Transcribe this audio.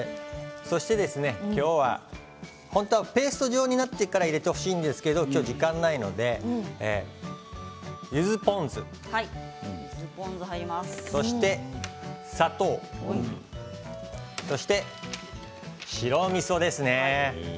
そして今日は本当はペースト状になってから入れてほしいんですけど今日は時間がないのでゆずポン酢、そして砂糖そして白みそですね。